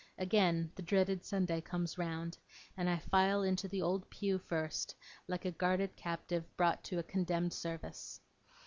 Again, the dreaded Sunday comes round, and I file into the old pew first, like a guarded captive brought to a condemned service.